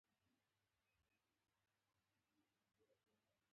هغه له ټولو سره په سوله کې اوسیده.